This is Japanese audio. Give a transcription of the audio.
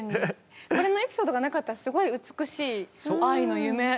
これのエピソードがなかったらすごい美しい「愛の夢」